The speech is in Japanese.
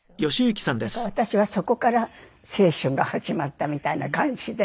だから私はそこから青春が始まったみたいな感じで。